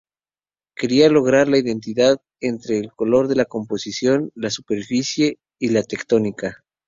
Quería lograr la unidad entre el color, la composición, la superficie y la tectónica.